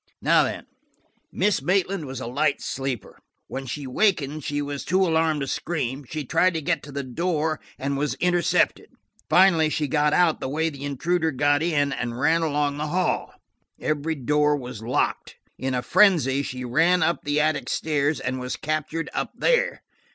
Now then, Miss Maitland was a light sleeper. When she wakened she was too alarmed to scream; she tried to get to the door and was intercepted. Finally she got out the way the intruder got in, and ran along the hall. Every door was locked. In a frenzy she ran up the attic stairs and was captured up there.